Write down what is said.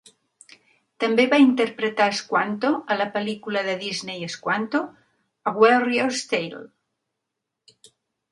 També va interpretar Squanto a la pel·lícula de Disney Squanto, a Warrior's Tale.